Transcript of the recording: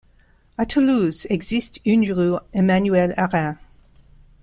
À Toulouse existe une rue Emmanuel Arin.